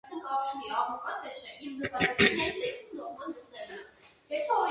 It is unknown what happened to the mast after it was dismantled.